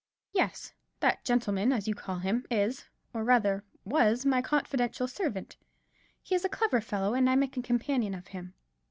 "Yes, that gentleman, as you call him, is, or rather was, my confidential servant. He is a clever fellow, and I make a companion of him.